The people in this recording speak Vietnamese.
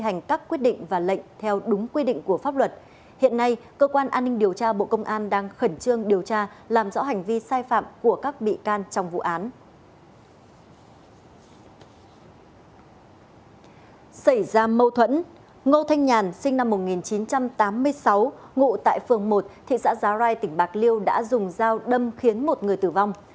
ngô thanh nhàn sinh năm một nghìn chín trăm tám mươi sáu ngụ tại phường một thị xã giá rai tỉnh bạc liêu đã dùng dao đâm khiến một người tử vong